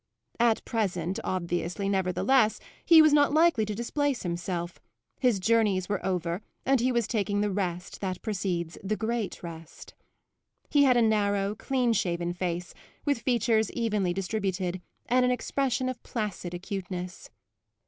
At present, obviously, nevertheless, he was not likely to displace himself; his journeys were over and he was taking the rest that precedes the great rest. He had a narrow, clean shaven face, with features evenly distributed and an expression of placid acuteness.